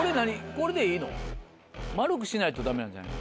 これでいいの？丸くしないと駄目なんじゃない？